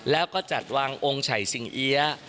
แล้วก็จัดวางองศัยสิงเหี้ย